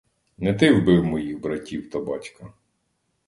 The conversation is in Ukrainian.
Не ти вбив моїх братів та батька.